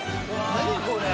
何これ？